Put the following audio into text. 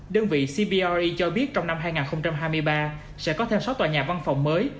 đơn vị cbry cho biết trong năm hai nghìn hai mươi ba sẽ có thêm sáu tòa nhà văn phòng mới